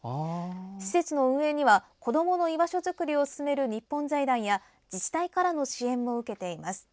施設の運営には子どもの居場所作りを進める日本財団や自治体からの支援も受けています。